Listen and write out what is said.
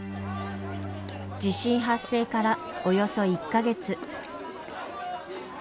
地震発生からおよそ１か月。